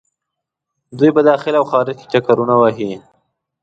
دوۍ په داخل او خارج کې چکرونه وهي.